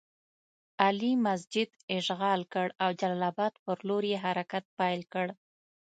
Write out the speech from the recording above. علي مسجد اشغال کړ او جلال اباد پر لور یې حرکت پیل کړ.